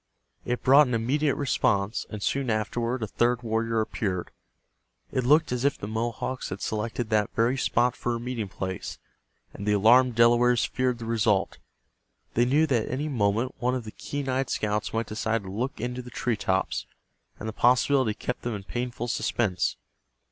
It brought an immediate response, and soon afterward a third warrior appeared. It looked as if the Mohawks had selected that very spot for a meeting place, and the alarmed Delawares feared the result. They knew that at any moment one of the keen eyed scouts might decide to look into the tree tops, and the possibility kept them in painful suspense.